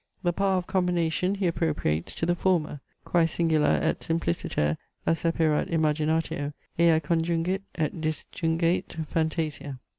The power of combination he appropriates to the former: "quae singula et simpliciter acceperat imaginatio, ea conjungit et disjungait phantasia."